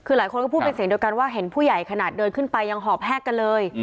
คือหลายคนก็พูดเป็นเสียงเดียวกันว่าเห็นผู้ใหญ่ขนาดเดินขึ้นไปยังหอบแฮกกันเลย